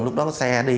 lúc đó xe đi